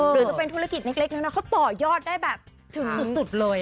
หรือจะเป็นธุรกิจเล็กน้อยเขาต่อยอดได้แบบถึงสุดเลย